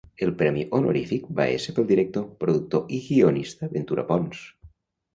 El premi honorífic va ésser pel director, productor i guionista Ventura Pons.